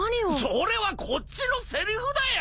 それはこっちのせりふだよ！